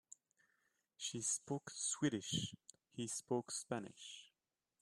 She spoke Swedish, he spoke Spanish.